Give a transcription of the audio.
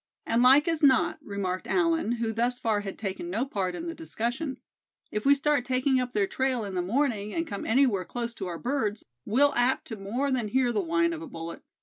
"And like as not," remarked Allan, who thus far had taken no part in the discussion, "if we start taking up their trail in the morning, and come anywhere close to our birds, we'll be apt to more than hear the whine of a bullet.